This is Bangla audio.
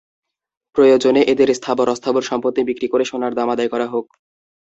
প্রয়োজনে এঁদের স্থাবর-অস্থাবর সম্পত্তি বিক্রি করে সোনার দাম আদায় করা হোক।